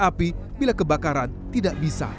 tapi bila kebakaran tidak bisa